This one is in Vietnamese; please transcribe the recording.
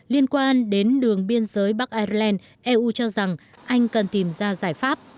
liên quan đến đường biên giới bắc ireland eu cho rằng anh cần tìm ra giải pháp